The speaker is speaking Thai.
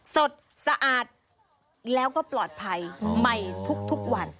สดสะอาดแล้วก็ปลอดภัยใหม่ทุกวัน